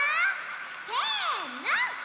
せの！